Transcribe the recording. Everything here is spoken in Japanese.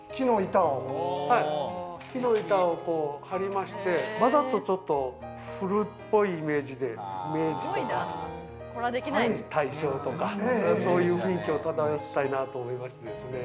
木の板を張りまして、あとちょっと古っぽいイメージで、明治とか大正とか、そういう雰囲気を漂わせたいなと思いまして。